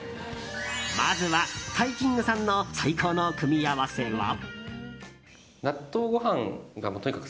まずはＴＡＩＫＩＮＧさんの最高の組み合わせは？